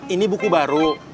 ini buku baru